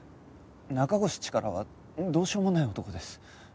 中越チカラはどうしようもない男です。